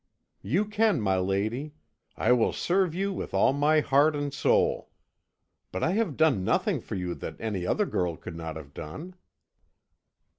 "You can, my lady. I will serve you with all my heart and soul. But I have done nothing for you that any other girl could not have done."